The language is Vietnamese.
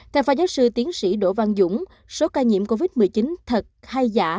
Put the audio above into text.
theo phó giáo sư tiến sĩ đỗ văn dũng số ca nhiễm covid một mươi chín thật hay giả